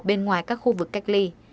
bên ngoài các khu vực cách ly